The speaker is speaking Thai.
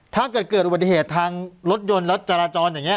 ถ้าเกิดอุบัติเหตุทางรถยนต์รถจราจร